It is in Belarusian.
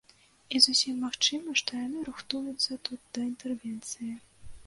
І зусім магчыма, што яны рыхтуюцца тут да інтэрвенцыі.